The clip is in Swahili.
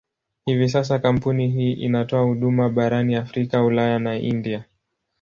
Hivi sasa kampuni hii inatoa huduma barani Afrika, Ulaya na India.